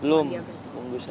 belum ada kepatian berangkat